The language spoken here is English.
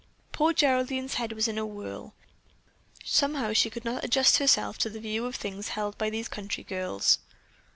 Poor Geraldine's head was in a whirl. Somehow she could not adjust herself to the view of things held by these country girls.